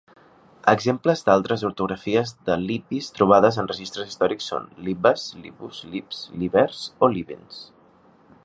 Exemples d'altres ortografies de Libbis trobades en registres històrics són: Libbas, Libbus, Libbs, Libbers i Libbens.